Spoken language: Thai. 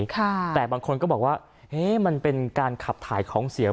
แต่บางคนก็บอกว่าเอ๊ะมันเป็นการขับถ่ายของเสียว